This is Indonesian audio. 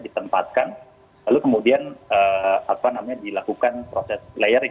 ditenpatkan lalu kemudian dilakukan proses layering